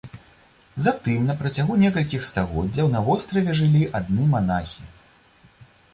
Затым на працягу некалькіх стагоддзяў на востраве жылі адны манахі.